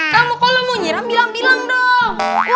kamu kalau mau nyiram bilang bilang dong